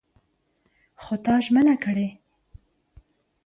خو تا ژمنه کړې!